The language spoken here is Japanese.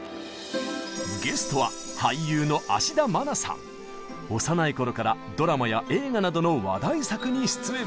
ゲストは幼い頃からドラマや映画などの話題作に出演。